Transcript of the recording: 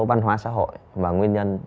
văn hóa xã hội và nguyên nhân